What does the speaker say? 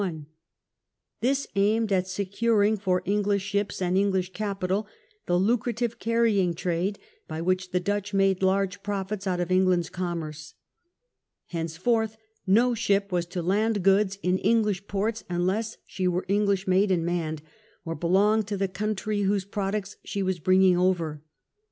This aimed at securing for English ships and English capital the lucrative carrying trade by which the Dutch made large profits out of Eng land's commerce. Henceforth no ship was to land goods in English ports unless she were English made and manned, or belonged to the country whose products she was bring ing over.